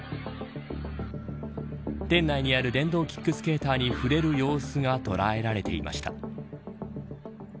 店内にある電動キックスケーターに触れる様子が捉えられていました。